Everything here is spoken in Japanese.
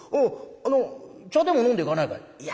「あの茶でも飲んでいかないかい？」。